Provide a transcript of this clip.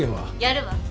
やるわ。